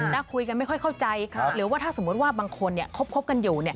คุยกันไม่ค่อยเข้าใจหรือว่าถ้าสมมุติว่าบางคนคบกันอยู่เนี่ย